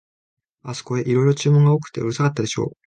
あすこへ、いろいろ注文が多くてうるさかったでしょう、